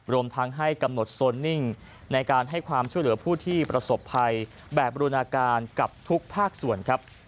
รวมทั้งให้กำหนดโซนนิ่งในการให้ความช่วยเหลือผู้ที่ประสบภัยแบบบรินาการกับทุกภาคส่วนครับ